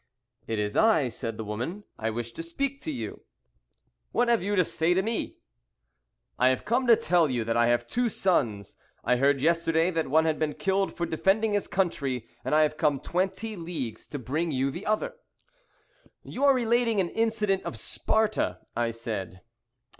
"'It is I,' said the woman; 'I wish to speak to you.' "'What have you to say to me?' "'I have come to tell you that I have two sons. I heard yesterday that one had been killed for defending his country, and I have come twenty leagues to bring you the other!!!'" "You are relating an incident of Sparta," I said.